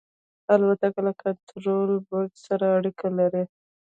الوتکه له کنټرول برج سره اړیکه لري.